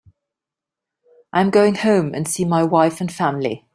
I'm going home and see my wife and family.